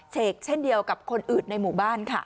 เชกเช่นเดียวกับคนอื่นในหมู่บ้านค่ะ